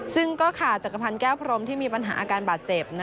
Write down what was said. ซึ่งก็ขาดจักรพันธ์แก้วพรมที่มีปัญหาอาการบาดเจ็บ